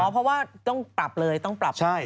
เพราะว่าต้องปรับเลยต้องปรับ